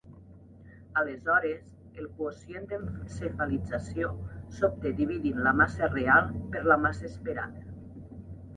Aleshores, el quocient d'encefalització s'obté dividint la massa real per la massa esperada.